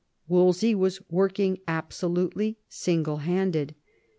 Wolsey was working absolutely single handed.